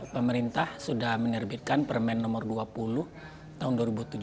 pemerintah sudah menerbitkan permen nomor dua puluh tahun dua ribu tujuh belas